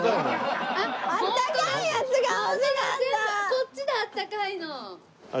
こっちだあったかいの！